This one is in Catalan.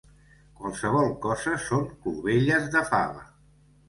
Qualsevol cosa són clovelles de fava.